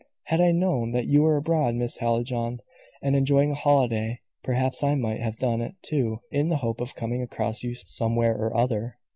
"Had I known that you were abroad, Miss Hallijohn, and enjoying a holiday, perhaps I might have done it, too, in the hope of coming across you somewhere or other."